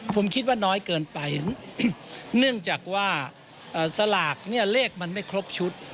ผมคิดว่าน้อยเกินไปเนื่องจากว่าสลากเนี่ยเลขมันไม่ครบชุด